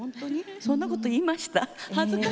そんなこと言いましたか？